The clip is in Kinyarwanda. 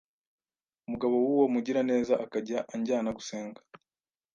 Umugabo w’uwo mugiraneza akajya anjyana gusenga